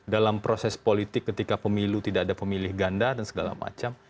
dalam proses politik ketika pemilu tidak ada pemilih ganda dan segala macam